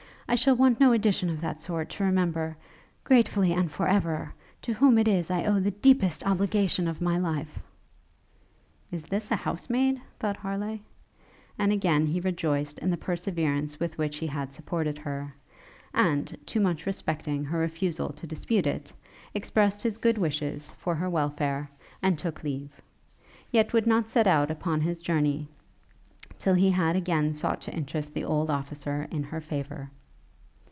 I shall want no addition of that sort, to remember, gratefully and for ever! to whom it is I owe the deepest obligation of my life!' Is this a house maid? thought Harleigh; and again he rejoiced in the perseverance with which he had supported her; and, too much respecting her refusal to dispute it, expressed his good wishes for her welfare, and took leave; yet would not set out upon his journey till he had again sought to interest the old officer in her favour.